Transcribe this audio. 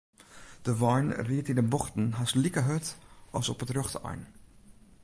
De wein ried yn 'e bochten hast like hurd as op it rjochte ein.